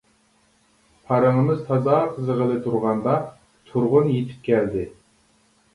پارىڭىمىز تازا قىزىغىلى تۇرغاندا تۇرغۇن يېتىپ كەلدى.